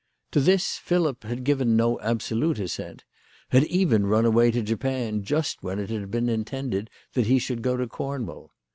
To this Philip had given no absolute assent ; had even run away to Japan just when it had been intended that he should go to Cornwall.